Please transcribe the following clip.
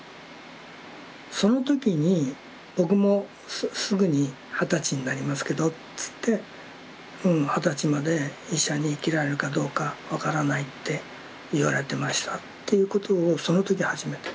その時に「僕もすぐに二十歳になりますけど」っつって「二十歳まで医者に生きられるかどうか分からないって言われてました」っていうことをその時初めて。